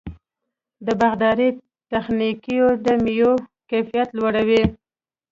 د باغدارۍ تخنیکونه د مېوو کیفیت لوړوي.